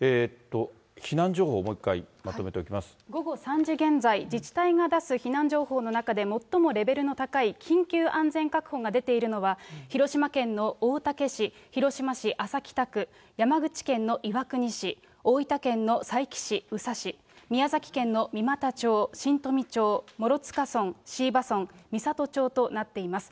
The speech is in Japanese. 避難情報、午後３時現在、自治体が出す避難情報の中で最もレベルの高い緊急安全確保が出ているのは、広島県の大竹市、広島市安佐北区、山口県の岩国市、大分県の佐伯市、宇佐市、宮崎県の三股町、新富町、諸塚村、椎葉村、美郷町となっています。